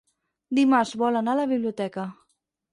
Dimarts vol anar a la biblioteca.